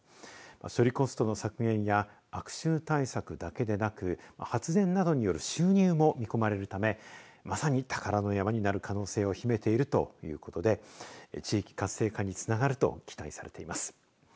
処理コストの削減や悪臭対策だけでなく発電などによる収入も見込まれるためまさに、宝の山になる可能性を秘めているということで地域活性化につながると期待されています。